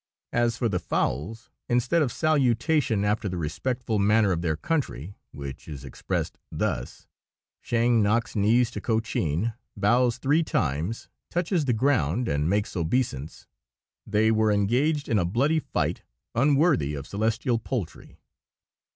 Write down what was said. As for the fowls, instead of salutation after the respectful manner of their country which is expressed thus: Shang knocks knees to Cochin, bows three times, touches the ground, and makes obeisance they were engaged in a bloody fight, unworthy of celestial poultry.